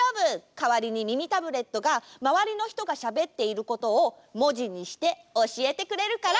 かわりに耳タブレットがまわりのひとがしゃべっていることをもじにしておしえてくれるから。